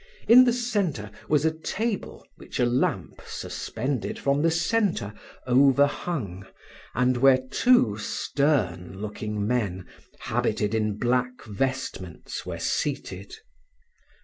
In the centre, was a table, which a lamp, suspended from the centre, overhung, and where two stern looking men, habited in black vestments, were seated.